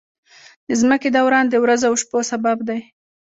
د ځمکې دوران د ورځو او شپو سبب دی.